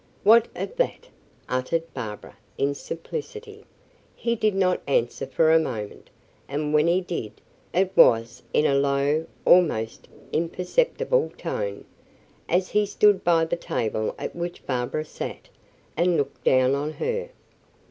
"What of that?" uttered Barbara, in simplicity. He did not answer for a moment, and when he did, it was in a low, almost imperceptible tone, as he stood by the table at which Barbara sat, and looked down on her.